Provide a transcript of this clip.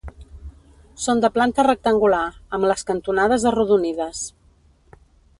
Són de planta rectangular, amb les cantonades arrodonides.